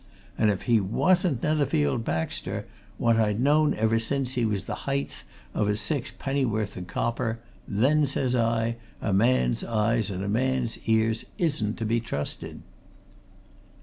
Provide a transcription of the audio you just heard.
And if he wasn't Netherfield Baxter, what I'd known ever since he was the heighth o' six pennorth o' copper, then, says I, a man's eyes and a man's ears isn't to be trusted!"